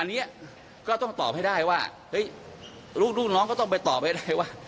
อันนี้ก็ต้องตอบให้ได้ว่าเฮ้ยลูกน้องก็ต้องไปตอบให้ได้ว่ะ